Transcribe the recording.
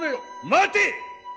待て！